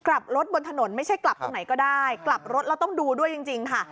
กลับรถบนถนนไม่ใช่กลับตรงไหนก็ได้กลับรถแล้วต้องดูด้วยจริงค่ะ